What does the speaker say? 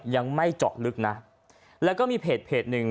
ยังไม่เจาะลึกนะแล้วก็มีเพจหนึ่ง